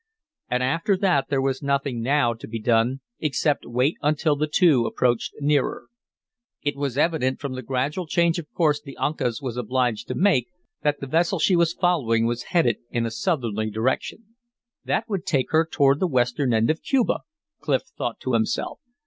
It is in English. And after that there was nothing now to be done except wait until the two approached nearer. It was evident from the gradual change of course the Uncas was obliged to make that the vessel she was following was headed in a southerly direction. "That would take her toward the western end of Cuba," Clif thought to himself.